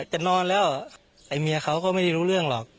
จะนอนแล้วไอ้เมียเขาก็ไม่ได้รู้เรื่องหรอก